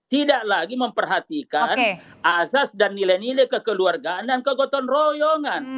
tidak lagi memperhatikan asas dan nilai nilai kekeluargaan dan kegotong royongan